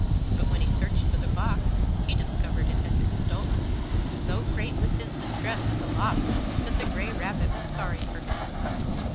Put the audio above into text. But when he searched for the box he discovered it had been stolen. So great was his distress at the loss that the gray rabbit was sorry for him.